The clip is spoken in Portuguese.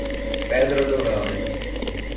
Pedra Dourada